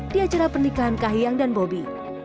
di acara pernikahan kahiyang dan bobi